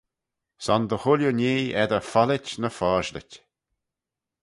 Son dy chooilley nhee edyr follit ny foshlit.